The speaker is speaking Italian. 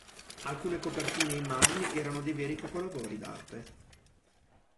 Alcune copertine e immagini erano dei veri capolavori d'arte.